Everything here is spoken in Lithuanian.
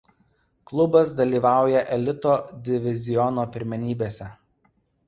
Klubas dalyvauja elito diviziono pirmenybėse.